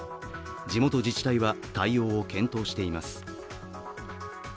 地元自治体は対応を検討しています。